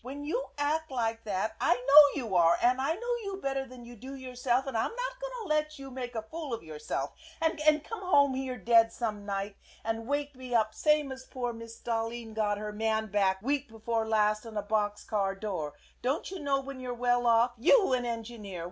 "When you act like that I know you are, and I know you better than you do yourself, and I'm not going to let you make a fool of yourself, and come home here dead some night and wake me up same as poor Mrs. Dalheen got her man back week before last on a box car door. Don't you know when you're well off? You an engineer!